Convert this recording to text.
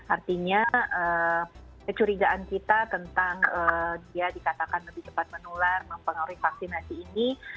artinya kecurigaan kita tentang dia dikatakan lebih cepat menular mempengaruhi vaksinasi ini